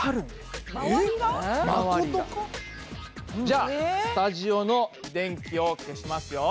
じゃあスタジオの電気を消しますよ！